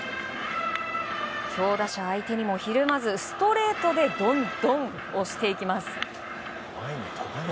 強打者相手にもひるまずストレートでどんどん押していきます。